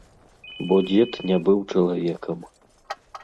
Бо дзед не быў чалавекам.